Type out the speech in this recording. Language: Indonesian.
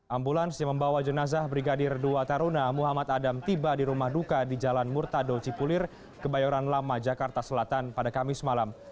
ambulans yang membawa jenazah brigadir dua taruna muhammad adam tiba di rumah duka di jalan murtado cipulir kebayoran lama jakarta selatan pada kamis malam